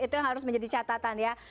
itu yang harus menjadi catatan ya